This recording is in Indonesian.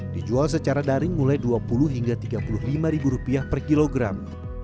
dijual secara daring mulai dua puluh hingga tiga puluh lima ribu rupiah per kilogram